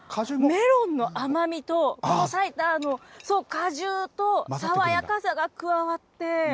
メロンの甘みとこのサイダーの果汁と、爽やかさが加わって。